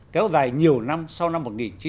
kéo dài nhiều năm sau năm một nghìn chín trăm bảy mươi